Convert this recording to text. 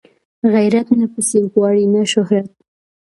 غیرت نه پیسې غواړي نه شهرت